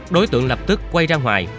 đối tượng lập tức quay ra ngoài